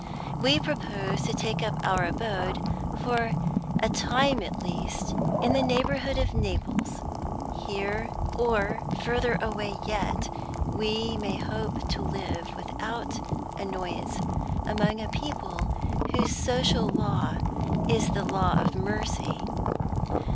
We propose to take up our abode, for a time at least, in the neighborhood of Naples. Here, or further away yet, we may hope to live without annoyance among a people whose social law is the law of mercy.